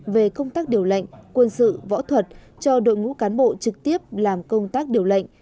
về công tác điều lệnh quân sự võ thuật cho đội ngũ cán bộ trực tiếp làm công tác điều lệnh